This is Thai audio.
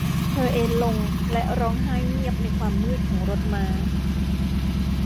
เธอเอนลงและร้องไห้เงียบในความมืดของรถม้า